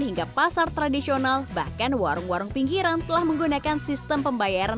hingga pasar tradisional bahkan warung warung pinggiran telah menggunakan sistem pembayaran